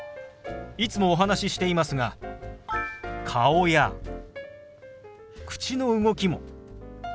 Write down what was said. いつもお話ししていますが顔や口の動きも手話の一部ですよ。